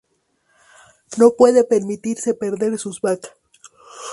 No puede permitirse perder sus vacas.